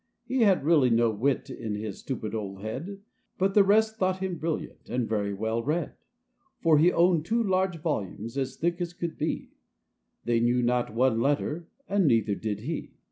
He had really no wit in his stupid old head, But the rest thought him brilliant, and very well read, For he owned two large volumes, as thick as could be ; They knew not one letter — and neither did he.